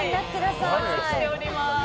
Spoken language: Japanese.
お待ちしております。